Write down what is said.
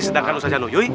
sedangkan ustadz zanuyuy